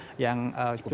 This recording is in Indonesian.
cukup tinggi begitu ya pak